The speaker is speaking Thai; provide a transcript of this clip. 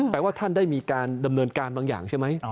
ว่าท่านได้มีการดำเนินการบางอย่างใช่ไหม